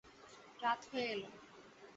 রাত হয়ে এল।